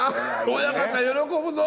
親方喜ぶぞ！